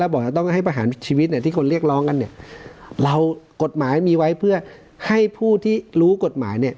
บอกจะต้องให้ประหารชีวิตเนี่ยที่คนเรียกร้องกันเนี่ยเรากฎหมายมีไว้เพื่อให้ผู้ที่รู้กฎหมายเนี่ย